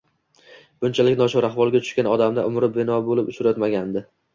Bunchalik nochor ahvolga tushgan odamni umri bino bo`lib uchratmagandi